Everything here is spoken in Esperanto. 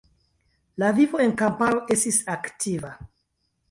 La vivo en kamparo estis aktiva.